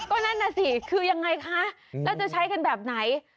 ก็นั่นน่ะสิคือยังไงคะแล้วจะใช้กันแบบไหน